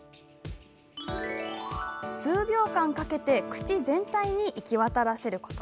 数秒間かけて口全体に行き渡らせること。